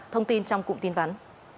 thông tin trong cụm tin vắn